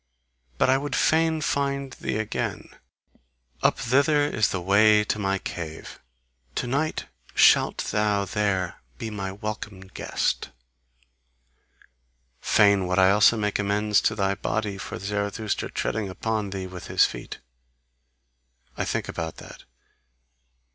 But I would fain find thee again. Up thither is the way to my cave: to night shalt thou there be my welcome guest! Fain would I also make amends to thy body for Zarathustra treading upon thee with his feet: I think about that.